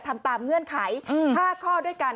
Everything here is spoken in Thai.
ทำตามเงื่อนไข๕ข้อด้วยกัน